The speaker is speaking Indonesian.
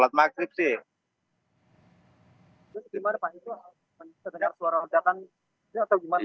gimana pak itu setengah suara udakan